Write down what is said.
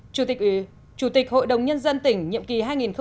chủ tịch hội đồng nhân dân tỉnh nhiệm kỳ hai nghìn một mươi một hai nghìn một mươi sáu